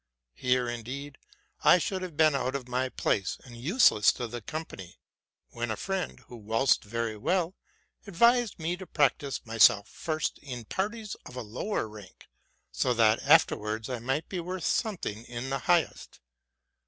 Here, indeed, I should have been out of my place, and useless to the company, when a friend, who waltzed very well, advised me to practise myself first in parties of a lower rank, so that afterwards I might be worth something in the highest.